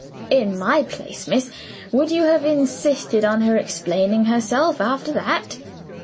In my place, miss, would you have insisted on her explaining herself, after that?